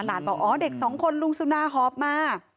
บอกอ๋อเด็กสองคนลุงสุนาหอบมา